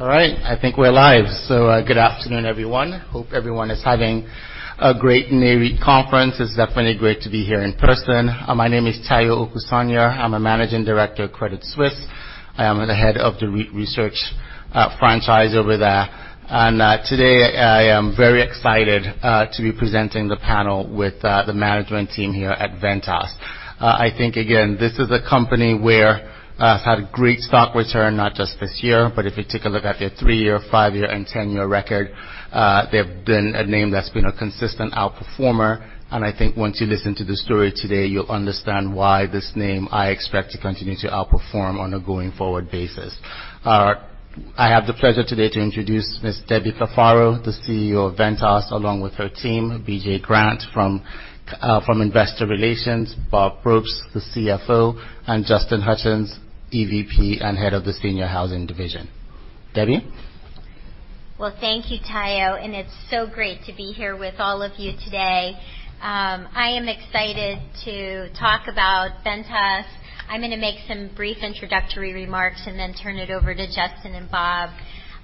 All right, I think we're live. So, good afternoon, everyone. Hope everyone is having a great NAREIT Conference. It's definitely great to be here in person. My name is Tayo Okusanya. I'm a managing director at Credit Suisse. I am the head of the research franchise over there. And today, I am very excited to be presenting the panel with the management team here at Ventas. I think, again, this is a company where it's had a great stock return, not just this year, but if you take a look at their three-year, five-year, and ten-year record, they've been a name that's been a consistent outperformer. And I think once you listen to the story today, you'll understand why this name I expect to continue to outperform on a going-forward basis. I have the pleasure today to introduce Ms. Debbie Cafaro, the CEO of Ventas, along with her team, BJ Grant from Investor Relations, Bob Probst, the CFO, and Justin Hutchens, EVP and head of the Senior Housing Division. Debbie? Thank you, Tayo. It's so great to be here with all of you today. I am excited to talk about Ventas. I'm going to make some brief introductory remarks and then turn it over to Justin and Bob.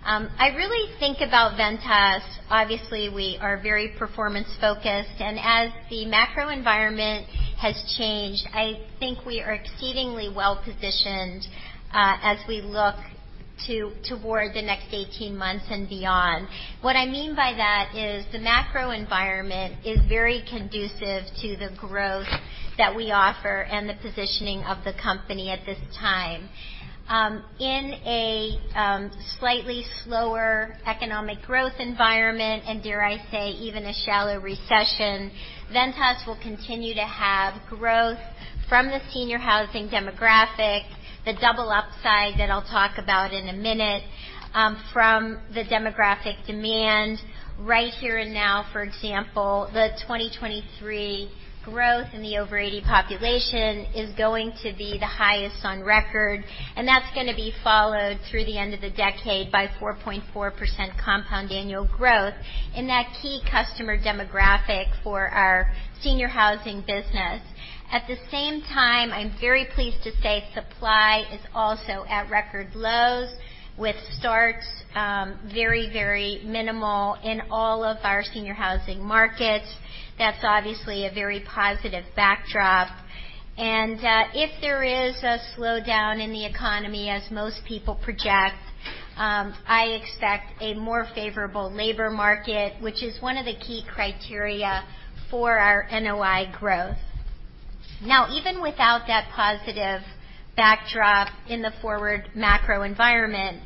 I really think about Ventas, obviously, we are very performance-focused. As the macro environment has changed, I think we are exceedingly well-positioned as we look toward the next 18 months and beyond. What I mean by that is the macro environment is very conducive to the growth that we offer and the positioning of the company at this time. In a slightly slower economic growth environment, and dare I say, even a shallow recession, Ventas will continue to have growth from the senior housing demographic, the double upside that I'll talk about in a minute, from the demographic demand. Right here and now, for example, the 2023 growth in the over-80 population is going to be the highest on record, and that's going to be followed through the end of the decade by 4.4% compound annual growth in that key customer demographic for our senior housing business. At the same time, I'm very pleased to say supply is also at record lows, with starts very, very minimal in all of our senior housing markets. That's obviously a very positive backdrop, and if there is a slowdown in the economy, as most people project, I expect a more favorable labor market, which is one of the key criteria for our NOI growth. Now, even without that positive backdrop in the forward macro environment,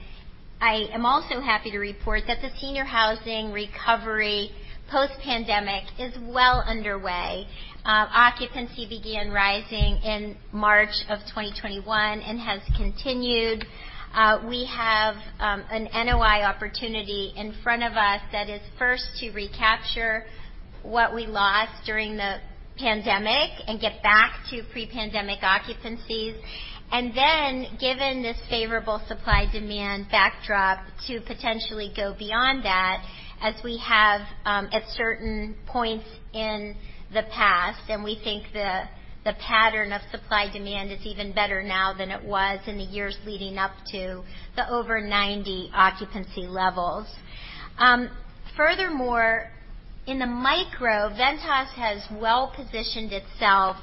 I am also happy to report that the senior housing recovery post-pandemic is well underway. Occupancy began rising in March of 2021 and has continued. We have an NOI opportunity in front of us that is first to recapture what we lost during the pandemic and get back to pre-pandemic occupancies, and then, given this favorable supply-demand backdrop, to potentially go beyond that as we have at certain points in the past, and we think the pattern of supply-demand is even better now than it was in the years leading up to the over-90 occupancy levels. Furthermore, in the micro, Ventas has well-positioned itself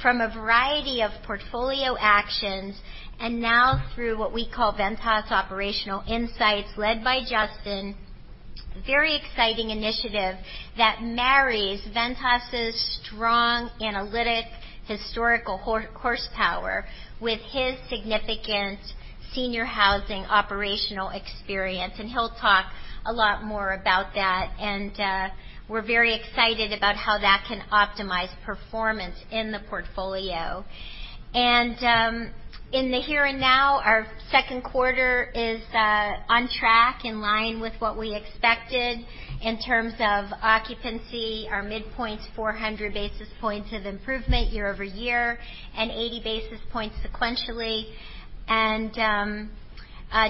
from a variety of portfolio actions and now through what we call Ventas Operational Insights, led by Justin, a very exciting initiative that marries Ventas's strong analytic historical horsepower with his significant senior housing operational experience, and he'll talk a lot more about that, and we're very excited about how that can optimize performance in the portfolio. And in the here and now, our second quarter is on track, in line with what we expected in terms of occupancy. Our midpoint's 400 basis points of improvement year over year and 80 basis points sequentially. And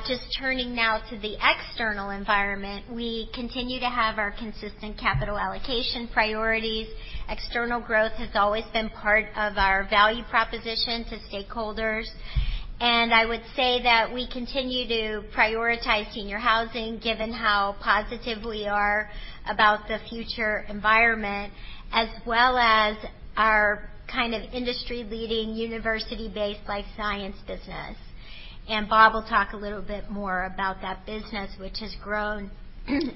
just turning now to the external environment, we continue to have our consistent capital allocation priorities. External growth has always been part of our value proposition to stakeholders. And I would say that we continue to prioritize senior housing, given how positive we are about the future environment, as well as our kind of industry-leading university-based life science business. And Bob will talk a little bit more about that business, which has grown,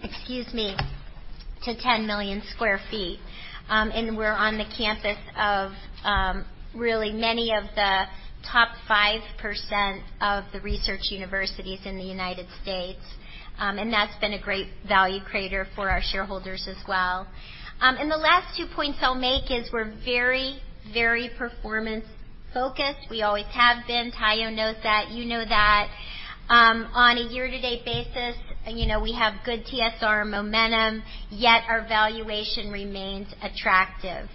excuse me, to 10 million sq ft. And we're on the campus of really many of the top 5% of the research universities in the United States. And that's been a great value creator for our shareholders as well. The last two points I'll make is we're very, very performance-focused. We always have been. Tayo knows that. You know that. On a year-to-date basis, we have good TSR momentum, yet our valuation remains attractive.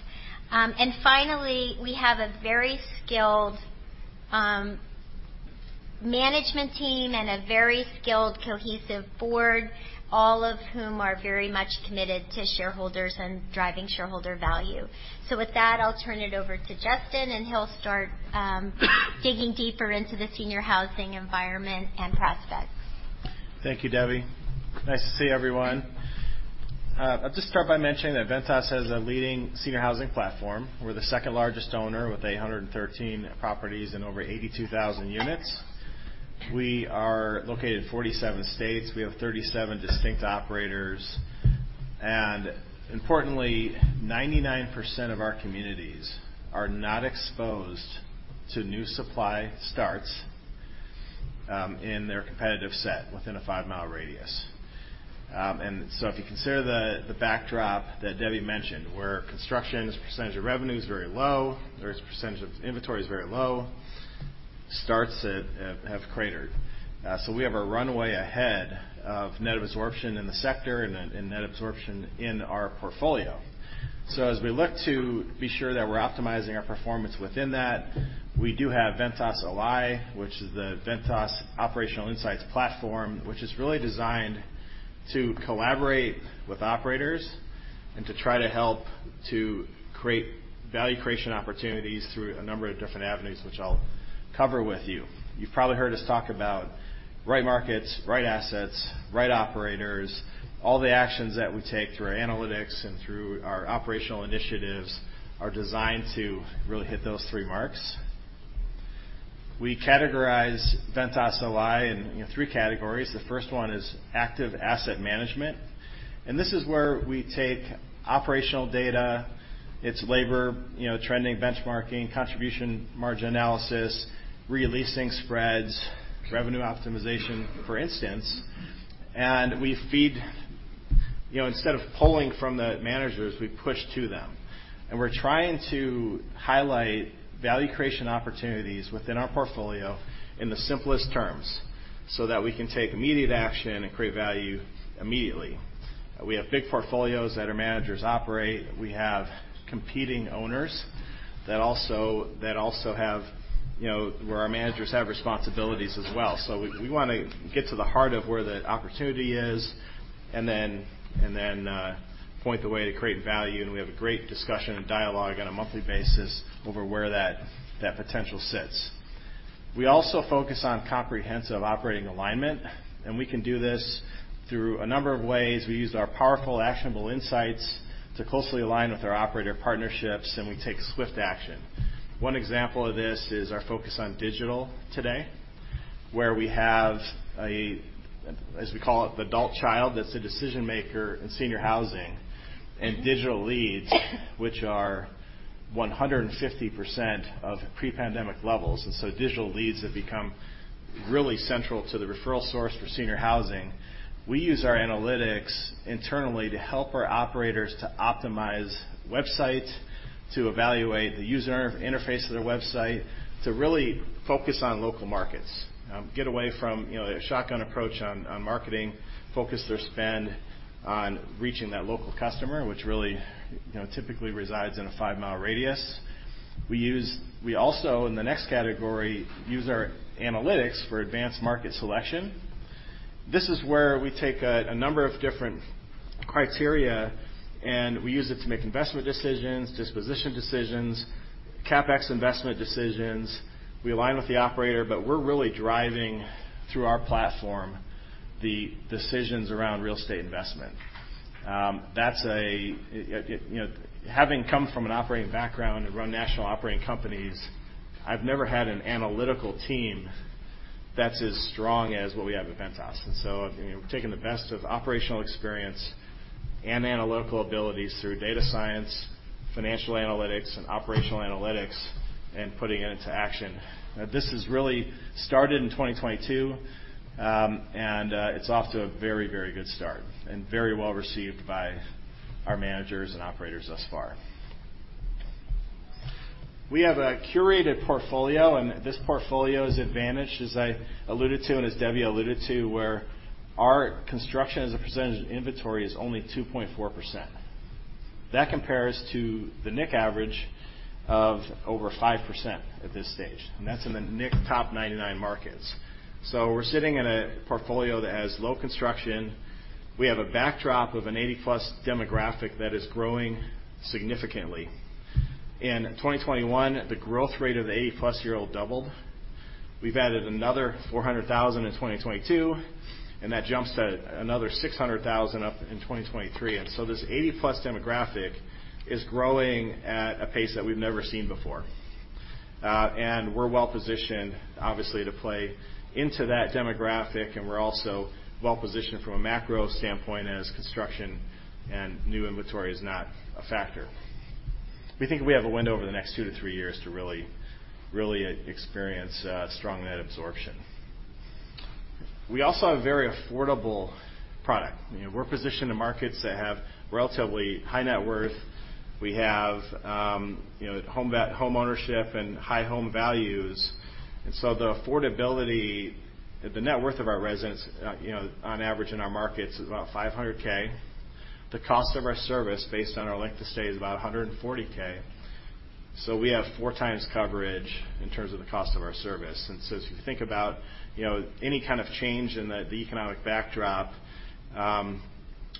Finally, we have a very skilled management team and a very skilled cohesive board, all of whom are very much committed to shareholders and driving shareholder value. With that, I'll turn it over to Justin, and he'll start digging deeper into the senior housing environment and prospects. Thank you, Debbie. Nice to see everyone. I'll just start by mentioning that Ventas has a leading senior housing platform. We're the second-largest owner with 813 properties and over 82,000 units. We are located in 47 states. We have 37 distinct operators. And importantly, 99% of our communities are not exposed to new supply starts in their competitive set within a five-mile radius. And so if you consider the backdrop that Debbie mentioned, where construction's percentage of revenue is very low, or its percentage of inventory is very low, starts have cratered. So we have a runway ahead of net absorption in the sector and net absorption in our portfolio. So as we look to be sure that we're optimizing our performance within that, we do have Ventas Ally, which is the Ventas Operational Insights platform, which is really designed to collaborate with operators and to try to help to create value creation opportunities through a number of different avenues, which I'll cover with you. You've probably heard us talk about right markets, right assets, right operators. All the actions that we take through our analytics and through our operational initiatives are designed to really hit those three marks. We categorize Ventas Ally in three categories. The first one is active asset management. And this is where we take operational data, it's labor trending, benchmarking, contribution margin analysis, re-leasing spreads, revenue optimization, for instance. And we feed instead of pulling from the managers, we push to them. And we're trying to highlight value creation opportunities within our portfolio in the simplest terms so that we can take immediate action and create value immediately. We have big portfolios that our managers operate. We have competing owners that also have where our managers have responsibilities as well. So we want to get to the heart of where the opportunity is and then point the way to create value. And we have a great discussion and dialogue on a monthly basis over where that potential sits. We also focus on comprehensive operating alignment. And we can do this through a number of ways. We use our powerful actionable insights to closely align with our operator partnerships, and we take swift action. One example of this is our focus on digital today, where we have, as we call it, the adult child that's a decision-maker in senior housing and digital leads, which are 150% of pre-pandemic levels. And so digital leads have become really central to the referral source for senior housing. We use our analytics internally to help our operators to optimize websites, to evaluate the user interface of their website, to really focus on local markets, get away from a shotgun approach on marketing, focus their spend on reaching that local customer, which really typically resides in a five-mile radius. We also, in the next category, use our analytics for advanced market selection. This is where we take a number of different criteria, and we use it to make investment decisions, disposition decisions, CapEx investment decisions. We align with the operator, but we're really driving through our platform the decisions around real estate investment. Having come from an operating background and run national operating companies, I've never had an analytical team that's as strong as what we have at Ventas. And so we've taken the best of operational experience and analytical abilities through data science, financial analytics, and operational analytics and putting it into action. This has really started in 2022, and it's off to a very, very good start and very well-received by our managers and operators thus far. We have a curated portfolio, and this portfolio is advantaged, as I alluded to and as Debbie alluded to, where our construction as a percentage of inventory is only 2.4%. That compares to the NIC average of over 5% at this stage. And that's in the NIC top 99 markets. We're sitting in a portfolio that has low construction. We have a backdrop of an 80-plus demographic that is growing significantly. In 2021, the growth rate of the 80-plus-year-old doubled. We've added another 400,000 in 2022, and that jumps to another 600,000 in 2023. This 80-plus demographic is growing at a pace that we've never seen before. We're well-positioned, obviously, to play into that demographic. We're also well-positioned from a macro standpoint as construction and new inventory is not a factor. We think we have a window over the next two to three years to really, really experience strong net absorption. We also have a very affordable product. We're positioned in markets that have relatively high net worth. We have homeownership and high home values. The affordability, the net worth of our residents on average in our markets is about $500 000. The cost of our service based on our length of stay is about $140 000. So we have four times coverage in terms of the cost of our service. And so if you think about any kind of change in the economic backdrop,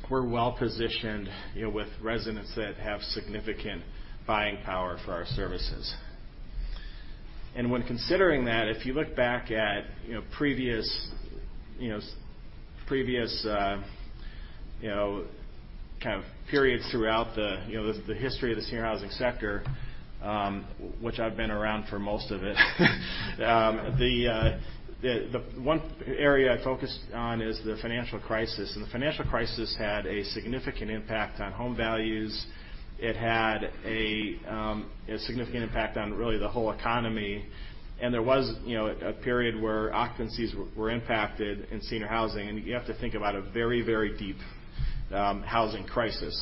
we're well-positioned with residents that have significant buying power for our services. And when considering that, if you look back at previous kind of periods throughout the history of the senior housing sector, which I've been around for most of it, the one area I focused on is the financial crisis. And the financial crisis had a significant impact on home values. It had a significant impact on really the whole economy. And there was a period where occupancies were impacted in senior housing. And you have to think about a very, very deep housing crisis,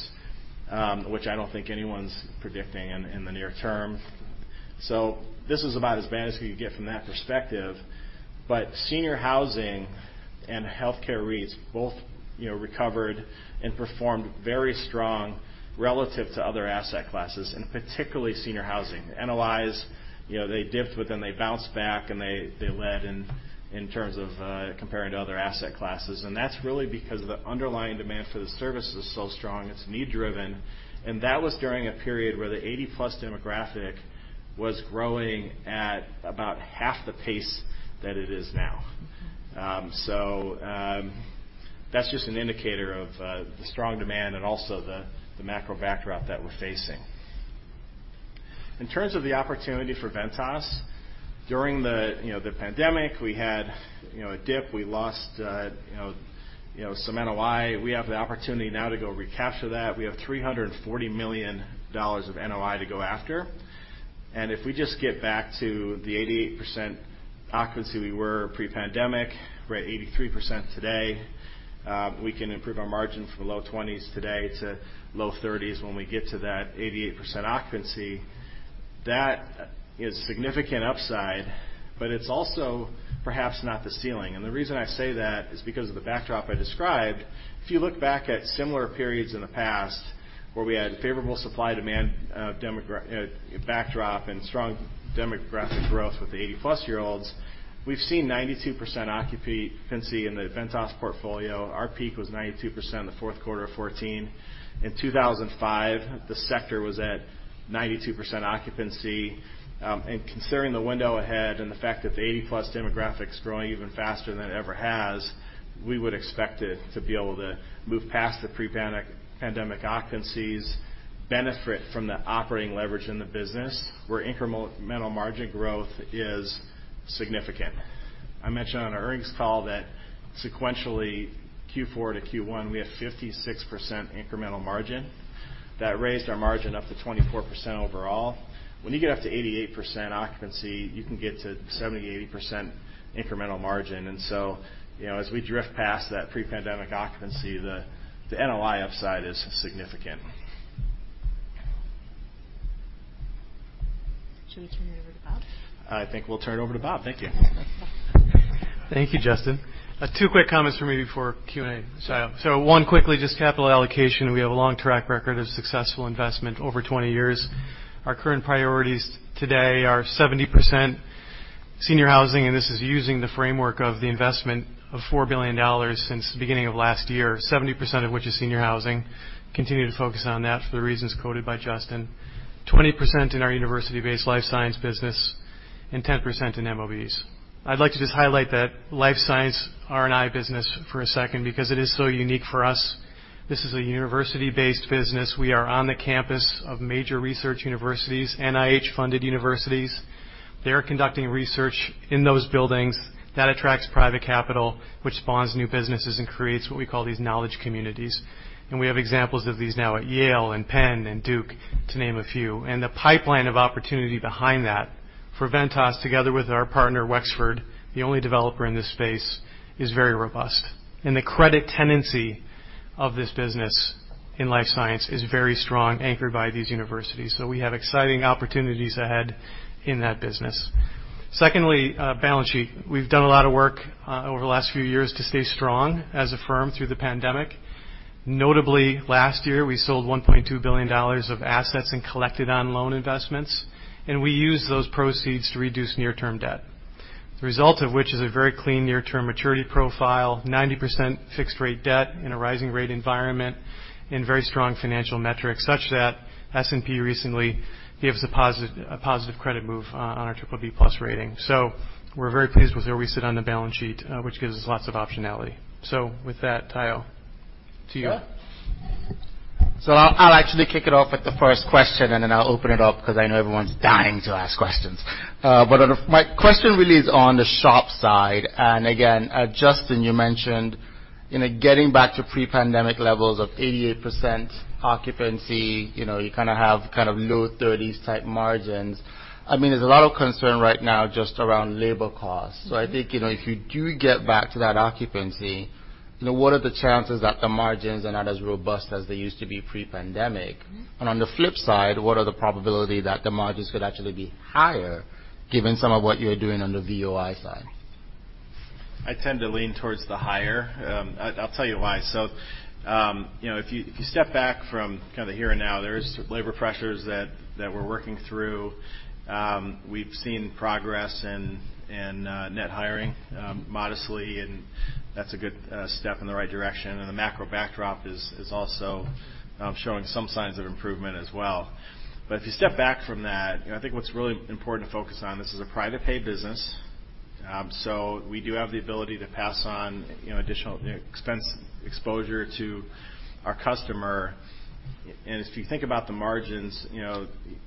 which I don't think anyone's predicting in the near term. This is about as bad as we can get from that perspective. Senior housing and healthcare rates both recovered and performed very strong relative to other asset classes, and particularly senior housing. NOIs, they dipped, but then they bounced back, and they led in terms of comparing to other asset classes. That's really because the underlying demand for the service is so strong. It's need-driven. That was during a period where the 80-plus demographic was growing at about half the pace that it is now. That's just an indicator of the strong demand and also the macro backdrop that we're facing. In terms of the opportunity for Ventas, during the pandemic, we had a dip. We lost some NOI. We have the opportunity now to go recapture that. We have $340 million of NOI to go after. If we just get back to the 88% occupancy we were pre-pandemic, we're at 83% today. We can improve our margin from low 20s today to low 30s when we get to that 88% occupancy. That is a significant upside, but it's also perhaps not the ceiling. The reason I say that is because of the backdrop I described. If you look back at similar periods in the past where we had favorable supply-demand backdrop and strong demographic growth with the 80-plus-year-olds, we've seen 92% occupancy in the Ventas portfolio. Our peak was 92% in the fourth quarter of 2014. In 2005, the sector was at 92% occupancy. And considering the window ahead and the fact that the 80-plus demographic is growing even faster than it ever has, we would expect to be able to move past the pre-pandemic occupancies, benefit from the operating leverage in the business, where incremental margin growth is significant. I mentioned on our earnings call that sequentially, Q4 to Q1, we had 56% incremental margin. That raised our margin up to 24% overall. When you get up to 88% occupancy, you can get to 70%-80% incremental margin. And so as we drift past that pre-pandemic occupancy, the NOI upside is significant. Should we turn it over to Bob? I think we'll turn it over to Bob. Thank you. Thank you, Justin. Two quick comments for me before Q&A, so one quickly, just capital allocation. We have a long track record of successful investment over 20 years. Our current priorities today are 70% senior housing, and this is using the framework of the investment of $4 billion since the beginning of last year, 70% of which is senior housing. Continue to focus on that for the reasons quoted by Justin. 20% in our university-based life science business and 10% in MOBs. I'd like to just highlight that life science R&I business for a second because it is so unique for us. This is a university-based business. We are on the campus of major research universities, NIH-funded universities. They are conducting research in those buildings. That attracts private capital, which spawns new businesses and creates what we call these knowledge communities. And we have examples of these now at Yale and Penn and Duke, to name a few. And the pipeline of opportunity behind that for Ventas, together with our partner, Wexford, the only developer in this space, is very robust. And the credit tendency of this business in life science is very strong, anchored by these universities. So we have exciting opportunities ahead in that business. Secondly, balance sheet. We've done a lot of work over the last few years to stay strong as a firm through the pandemic. Notably, last year, we sold $1.2 billion of assets and collected on loan investments. And we used those proceeds to reduce near-term debt, the result of which is a very clean near-term maturity profile, 90% fixed-rate debt in a rising-rate environment, and very strong financial metrics such that S&P recently gave us a positive credit move on our BBB+ rating. So we're very pleased with where we sit on the balance sheet, which gives us lots of optionality. So with that, Tayo, to you. So I'll actually kick it off with the first question, and then I'll open it up because I know everyone's dying to ask questions. But my question really is on the SHOP side. And again, Justin, you mentioned getting back to pre-pandemic levels of 88% occupancy. You kind of have kind of low 30s-type margins. I mean, there's a lot of concern right now just around labor costs. So I think if you do get back to that occupancy, what are the chances that the margins are not as robust as they used to be pre-pandemic? And on the flip side, what are the probability that the margins could actually be higher given some of what you're doing on the VOI side? I tend to lean toward the higher. I'll tell you why. So if you step back from kind of the here and now, there are labor pressures that we're working through. We've seen progress in net hiring modestly, and that's a good step in the right direction. And the macro backdrop is also showing some signs of improvement as well. But if you step back from that, I think what's really important to focus on, this is a private-pay business. So we do have the ability to pass on additional expense exposure to our customer. And if you think about the margins,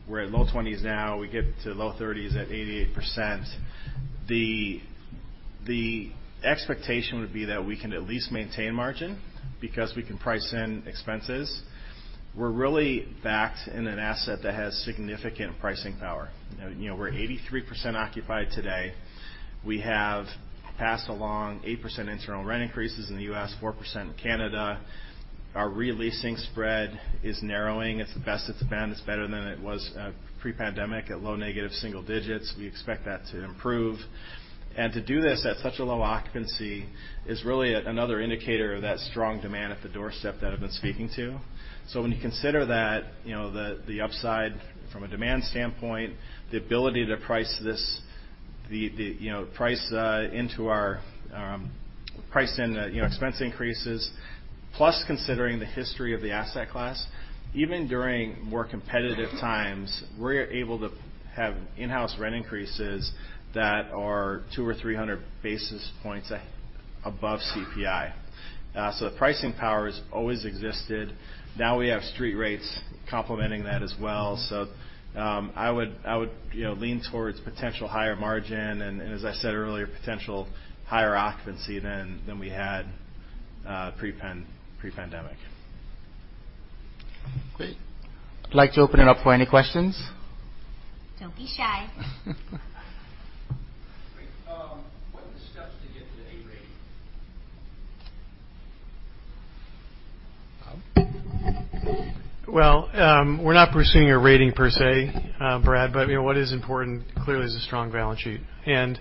we're at low 20s now. We get to low 30s at 88%. The expectation would be that we can at least maintain margin because we can price in expenses. We're really backed in an asset that has significant pricing power. We're 83% occupied today. We have passed along 8% internal rent increases in the U.S., 4% in Canada. Our releasing spread is narrowing. It's the best it's been. It's better than it was pre-pandemic at low negative single digits. We expect that to improve, and to do this at such a low occupancy is really another indicator of that strong demand at the doorstep that I've been speaking to. When you consider that, the upside from a demand standpoint, the ability to price this price into our price in expense increases, plus considering the history of the asset class, even during more competitive times, we're able to have in-house rent increases that are 200 or 300 basis points above CPI. The pricing power has always existed. Now we have street rates complementing that as well. So I would lean towards potential higher margin and, as I said earlier, potential higher occupancy than we had pre-pandemic. Great. I'd like to open it up for any questions. Don't be shy. What are the steps to get to A rating? We're not pursuing a rating per se, Brad, but what is important clearly is a strong balance sheet. And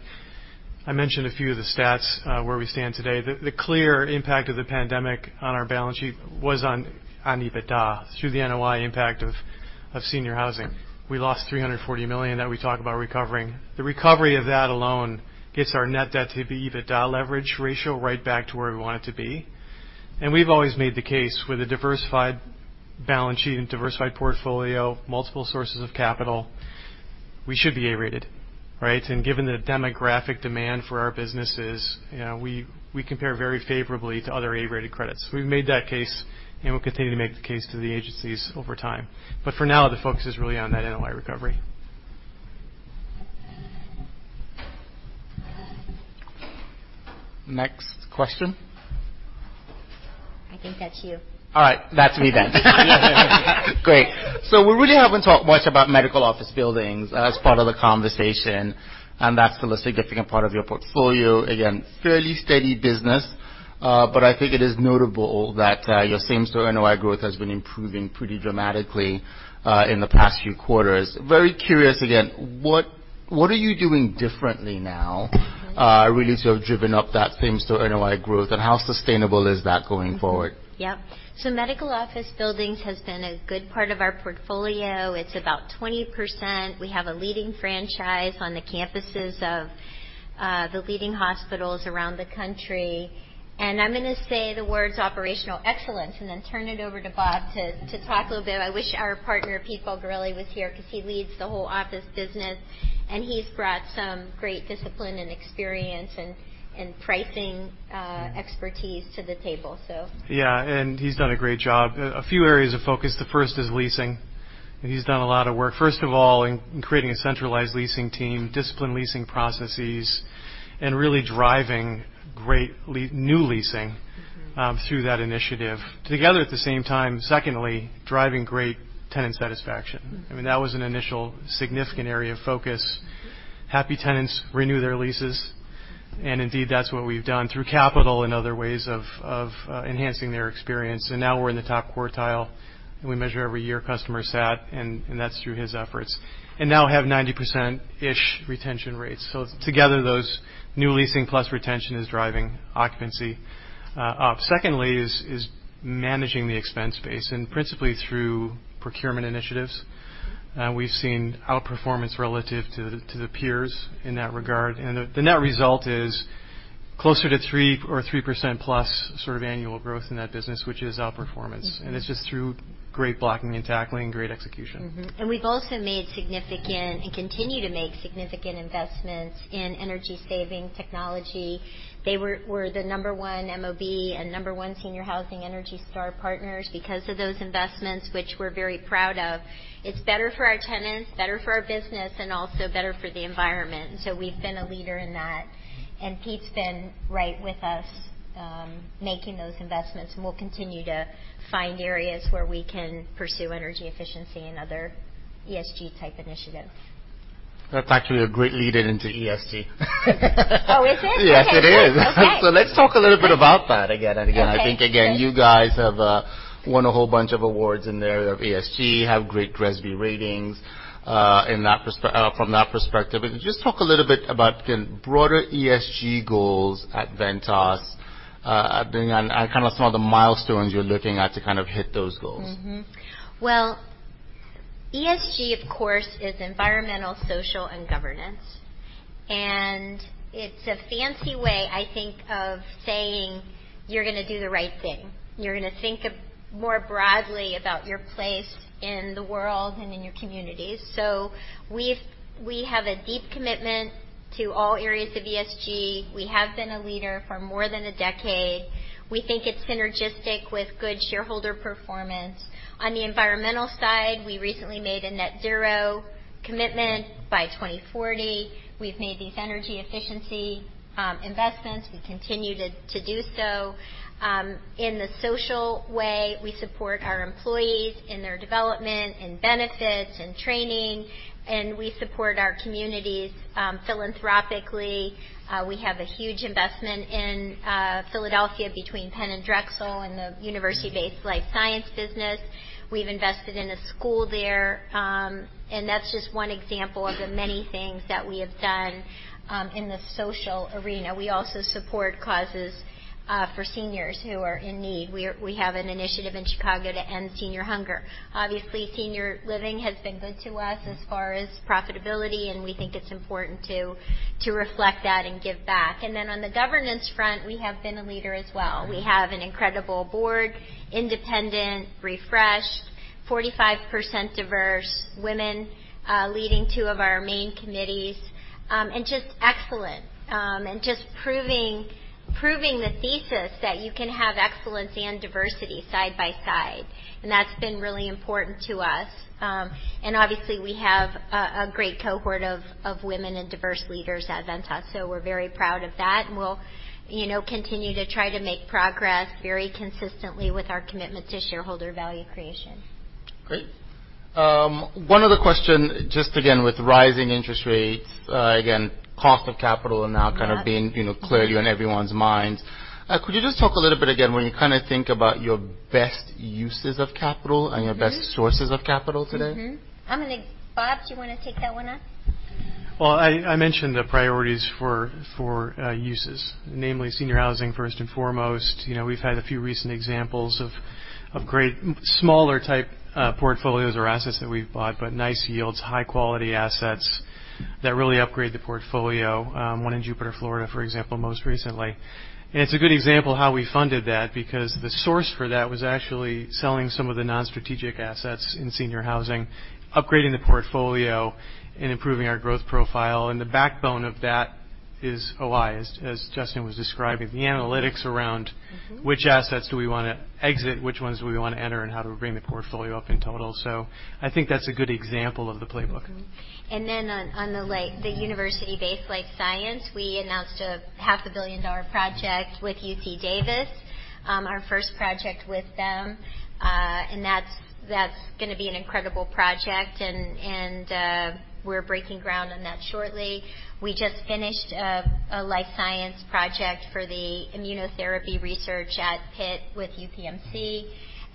I mentioned a few of the stats where we stand today. The clear impact of the pandemic on our balance sheet was on EBITDA through the NOI impact of senior housing. We lost $340 million that we talk about recovering. The recovery of that alone gets our net debt to EBITDA leverage ratio right back to where we want it to be. And we've always made the case with a diversified balance sheet and diversified portfolio, multiple sources of capital, we should be A-rated, right? And given the demographic demand for our businesses, we compare very favorably to other A-rated credits. We've made that case, and we'll continue to make the case to the agencies over time. But for now, the focus is really on that NOI recovery. Next question. I think that's you. All right. That's me then. Great. So we really haven't talked much about medical office buildings as part of the conversation, and that's still a significant part of your portfolio. Again, fairly steady business, but I think it is notable that your same-store NOI growth has been improving pretty dramatically in the past few quarters. Very curious again, what are you doing differently now really to have driven up that same-store NOI growth, and how sustainable is that going forward? Yep, so medical office buildings has been a good part of our portfolio. It's about 20%. We have a leading franchise on the campuses of the leading hospitals around the country, and I'm going to say the words operational excellence and then turn it over to Bob to talk a little bit. I wish our partner, Pete Bulgarelli, was here because he leads the whole office business, and he's brought some great discipline and experience and pricing expertise to the table, so. Yeah. And he's done a great job. A few areas of focus. The first is leasing. He's done a lot of work, first of all, in creating a centralized leasing team, disciplined leasing processes, and really driving great new leasing through that initiative. Together at the same time, secondly, driving great tenant satisfaction. I mean, that was an initial significant area of focus. Happy tenants renew their leases. And indeed, that's what we've done through capital and other ways of enhancing their experience. And now we're in the top quartile. We measure every year customer sat, and that's through his efforts. And now have 90%-ish retention rates. So together, those new leasing plus retention is driving occupancy up. Secondly is managing the expense base and principally through procurement initiatives. We've seen outperformance relative to the peers in that regard. The net result is closer to 3% or 3%+ sort of annual growth in that business, which is outperformance. It's just through great blocking and tackling and great execution. And we've also made significant and continue to make significant investments in energy-saving technology. They were the number one MOB and number one senior housing Energy Star partners because of those investments, which we're very proud of. It's better for our tenants, better for our business, and also better for the environment. And so we've been a leader in that. And Pete's been right with us making those investments. And we'll continue to find areas where we can pursue energy efficiency and other ESG-type initiatives. That's actually a great lead-in into ESG. Oh, is it? Yes, it is. So let's talk a little bit about that again. And again, I think, again, you guys have won a whole bunch of awards in the area of ESG, have great GRESB ratings from that perspective. Just talk a little bit about broader ESG goals at Ventas, and kind of some of the milestones you're looking at to kind of hit those goals. ESG, of course, is Environmental, Social, and Governance. It's a fancy way, I think, of saying you're going to do the right thing. You're going to think more broadly about your place in the world and in your communities. We have a deep commitment to all areas of ESG. We have been a leader for more than a decade. We think it's synergistic with good shareholder performance. On the environmental side, we recently made a net zero commitment by 2040. We've made these energy efficiency investments. We continue to do so. In the social way, we support our employees in their development and benefits and training. We support our communities philanthropically. We have a huge investment in Philadelphia between Penn and Drexel and the university-based life science business. We've invested in a school there. That's just one example of the many things that we have done in the social arena. We also support causes for seniors who are in need. We have an initiative in Chicago to end senior hunger. Obviously, senior living has been good to us as far as profitability, and we think it's important to reflect that and give back. Then on the governance front, we have been a leader as well. We have an incredible board, independent, refreshed, 45% diverse women leading two of our main committees, and just excellent and just proving the thesis that you can have excellence and diversity side by side. That's been really important to us. Obviously, we have a great cohort of women and diverse leaders at Ventas. We're very proud of that. We'll continue to try to make progress very consistently with our commitment to shareholder value creation. Great. One other question, just again with rising interest rates, again, cost of capital and now kind of being clearly on everyone's minds. Could you just talk a little bit again when you kind of think about your best uses of capital and your best sources of capital today? I'm going to, Bob, do you want to take that one up? I mentioned the priorities for Ventas, namely senior housing first and foremost. We've had a few recent examples of great smaller-type portfolios or assets that we've bought, but nice yields, high-quality assets that really upgrade the portfolio. One in Jupiter, Florida, for example, most recently. It's a good example of how we funded that because the source for that was actually selling some of the non-strategic assets in senior housing, upgrading the portfolio, and improving our growth profile. The backbone of that is OI, as Justin was describing, the analytics around which assets do we want to exit, which ones do we want to enter, and how do we bring the portfolio up in total. I think that's a good example of the playbook. And then on the university-based life science, we announced a $500 million project with UC Davis, our first project with them. And that's going to be an incredible project. And we're breaking ground on that shortly. We just finished a life science project for the immunotherapy research at Pitt with UPMC.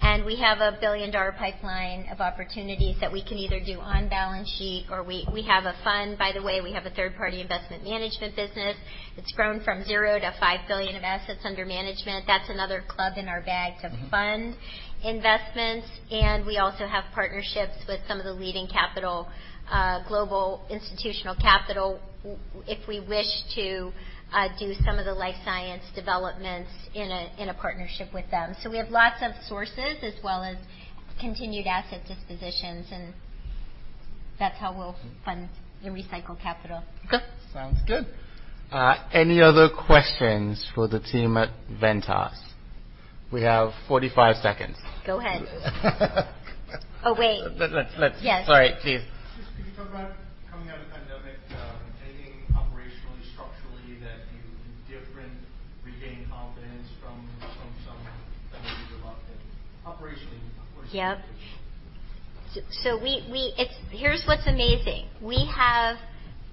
And we have a $1 billion pipeline of opportunities that we can either do on balance sheet or we have a fund. By the way, we have a third-party investment management business. It's grown from zero to $5 billion of assets under management. That's another club in our bag to fund investments. And we also have partnerships with some of the leading capital, global institutional capital, if we wish to do some of the life science developments in a partnership with them. So we have lots of sources as well as continued asset dispositions. That's how we'll fund the recycled capital. Sounds good. Any other questions for the team at Ventas? We have 45 seconds. Go ahead. Oh, wait. Sorry, please. Just to be covered coming out of the pandemic, thinking operationally, structurally, that you can differently regain confidence from some that may be reluctant operationally. Yep. So here's what's amazing. We have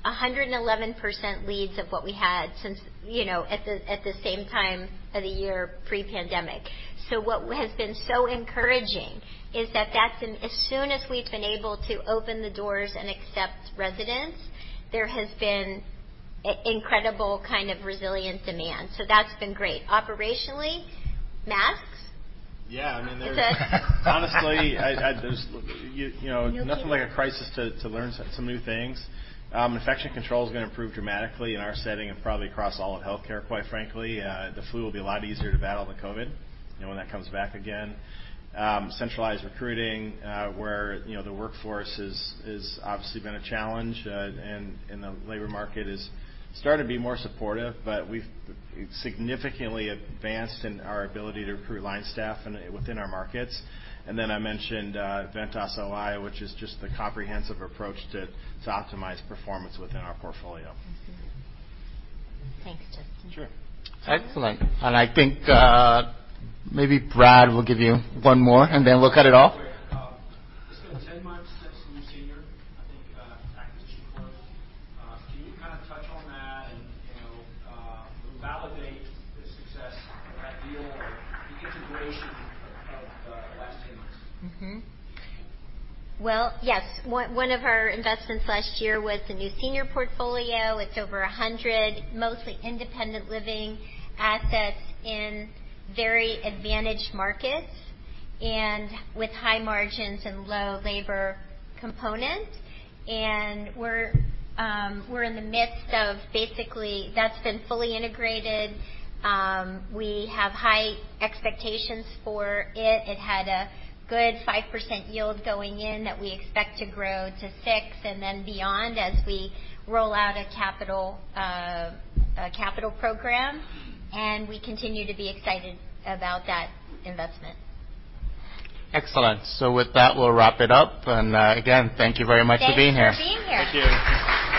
111% leads of what we had at the same time of the year pre-pandemic. So what has been so encouraging is that as soon as we've been able to open the doors and accept residents, there has been incredible kind of resilient demand. So that's been great. Operationally, masks. Yeah. I mean, honestly, nothing like a crisis to learn some new things. Infection control is going to improve dramatically in our setting and probably across all of healthcare, quite frankly. The flu will be a lot easier to battle than COVID when that comes back again. Centralized recruiting where the workforce has obviously been a challenge and the labor market has started to be more supportive, but we've significantly advanced in our ability to recruit line staff within our markets. And then I mentioned Ventas OI, which is just the comprehensive approach to optimize performance within our portfolio. Thanks, Justin. Sure. Excellent. And I think maybe Brad will give you one more and then we'll cut it off. Just in the 10 months since the New Senior acquisition closed, can you kind of touch on that and validate the success of that deal or the integration of the last 10 months? Yes. One of our investments last year was the New Senior portfolio. It's over 100 mostly independent living assets in very advantaged markets and with high margins and low labor components. We're in the midst of basically that's been fully integrated. We have high expectations for it. It had a good 5% yield going in that we expect to grow to 6% and then beyond as we roll out a capital program. We continue to be excited about that investment. Excellent. So with that, we'll wrap it up. And again, thank you very much for being here. Thanks for being here. Thank you.